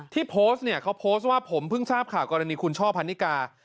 ที่โพสต์เนี่ยเขาโพสต์ว่าผมเพิ่งทราบข่าวกรณีคุณช่อพันนิกา